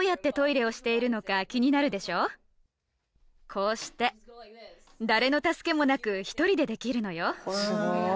こうして誰の助けもなく１人でできるのよ。